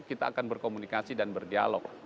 kita akan berkomunikasi dan berdialog